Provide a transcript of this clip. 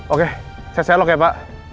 oke saya selok ya pak